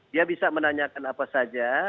dia bisa menanyakan apa saja